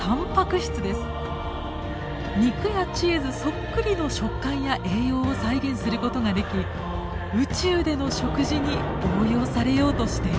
肉やチーズそっくりの食感や栄養を再現することができ宇宙での食事に応用されようとしています。